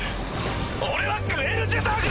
俺はグエル・ジェタークだ！